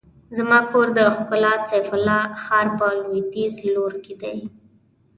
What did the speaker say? زما کور د کلا سيف الله ښار په لوېديځ لور کې دی.